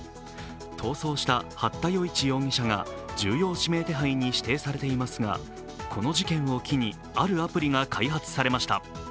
逃走した八田與一容疑者が重要指名手配に指定されていますが、この事件を機にあるアプリが開発されました。